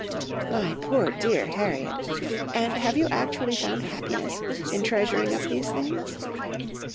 '... "'My poor dear Harriet! and have you actually found happiness in treasuring up these things?